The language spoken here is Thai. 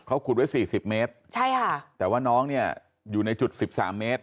เขาขุดไว้๔๐เมตรใช่ค่ะแต่ว่าน้องเนี่ยอยู่ในจุด๑๓เมตร